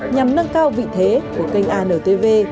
nhằm nâng cao vị thế của kênh antv